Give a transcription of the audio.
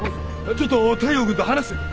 ちょっと大陽君と話してくる。